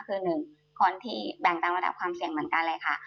คือหนึ่งคนที่แบ่งตามระดับความเสี่ยงเหมือนกันเลยค่ะ